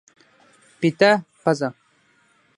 پیته پزه